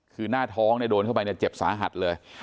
คือหน้าท้องโดนเข้าไปเนี่ยเจ็บสาหัสเลย